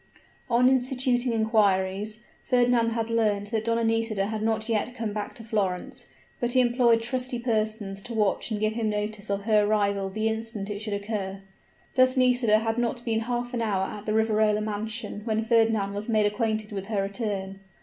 On instituting inquiries, Fernand had learnt that Donna Nisida had not yet come back to Florence: but he employed trusty persons to watch and give him notice of her arrival the instant it should occur. Thus Nisida had not been half an hour at the Riverola mansion when Fernand was made acquainted with her return.